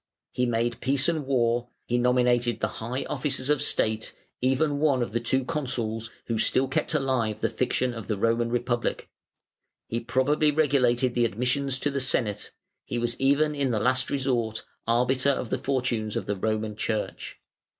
He made peace and war, he nominated the high officers of state, even one of the two Consuls, who still kept alive the fiction of the Roman Republic; he probably regulated the admissions to the Senate; he was even in the last resort arbiter of the fortunes of the Roman Church.